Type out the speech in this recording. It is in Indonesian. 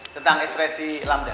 tentang ekspresi lambda